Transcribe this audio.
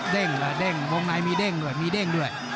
เด้งวงในมีเด้งด้วยมีเด้งด้วย